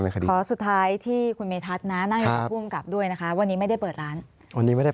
ขอสุดท้ายที่คุณเมธัศน์นะนั่งอย่างผู้มีกรรมกับด้วย